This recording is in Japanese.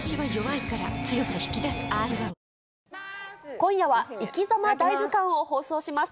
今夜は、いきざま大図鑑を放送します。